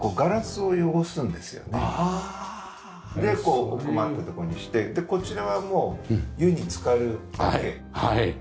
でこう奥まったとこにしてこちらはもう湯につかるだけ。